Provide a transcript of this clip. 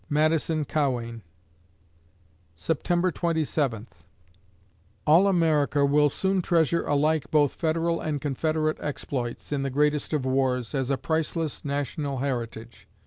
MADISON CAWEIN September Twenty Seventh All America will soon treasure alike both Federal and Confederate exploits, in the greatest of wars, as a priceless national heritage.